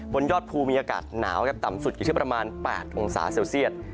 ยอดภูมิมีอากาศหนาวครับต่ำสุดอยู่ที่ประมาณ๘องศาเซลเซียต